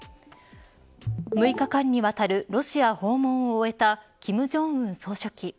６日間にわたるロシア訪問を終えた金正恩総書記。